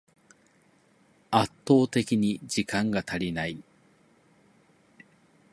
圧倒的に時間が足りない